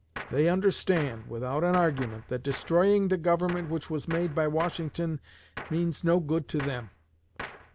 They understand, without an argument, that destroying the Government which was made by Washington means no good to them.